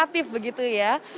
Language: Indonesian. kreatif begitu ya